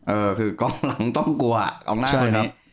เออคือกองหลังต้องกลัวกองหน้าคนนี้